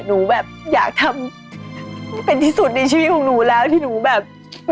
หนูแบบอยากทำเป็นที่สุดในชีวิตของหนูแล้วที่หนูแบบ